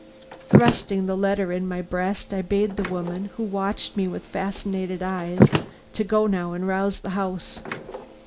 Thrusting the letter in my breast, I bade the woman, who watched me with fascinated eyes, to go now and rouse the house.